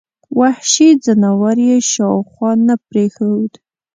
وحشي ځناور یې شاوخوا نه پرېښود.